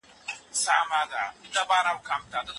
د څښلو اوبه په پاک لوښي کې وساتئ.